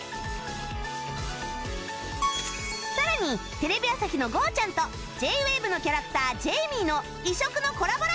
さらにテレビ朝日のゴーちゃん。と Ｊ−ＷＡＶＥ のキャラクタージェイミーの異色のコラボ